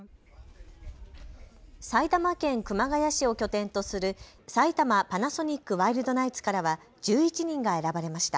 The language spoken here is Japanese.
埼玉県熊谷市を拠点とする埼玉パナソニックワイルドナイツからは１１人が選ばれました。